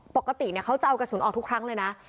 ปกติเขาจะเอากระสุนออกทุกครั้งเลยนะ